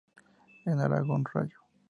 En Aragón "rallo".